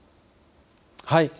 はい。